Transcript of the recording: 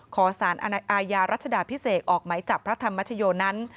ขอสารอาญารัชดาพิเศษออกไหมจับพระธรรมชโยนั้น